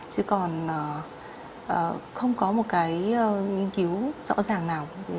chứ còn không có một cái nghiên cứu rõ ràng nào